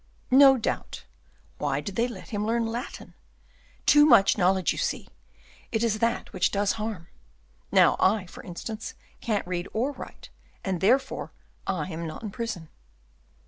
"No doubt. Why did they let him learn Latin? Too much knowledge, you see; it is that which does harm. Now I, for instance, can't read or write, and therefore I am not in prison."